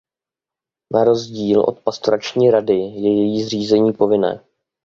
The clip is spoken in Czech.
Na rozdíl od pastorační rady je její zřízení povinné.